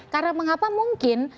karena mengapa mungkin